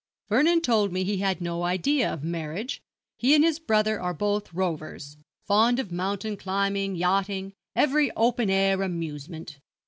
Vernon told me he had no idea of marriage. He and his brother are both rovers fond of mountain climbing, yachting, every open air amusement.'